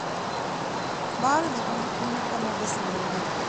ބާރު ލިބުނީ ކިހިނެތް ކަމެއް ވެސް ނޭނގެ